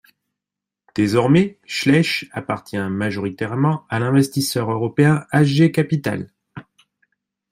Désormais Schleich appartient majoritairement à l'investisseur européen HgCapital.